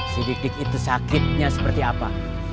si dik dik itu sakitnya seperti apa